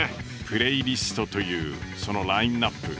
プレイリストというそのラインナップ。